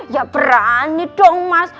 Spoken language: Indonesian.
ya berani dong mas